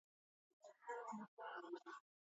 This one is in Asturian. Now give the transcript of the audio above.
Dellos díes después.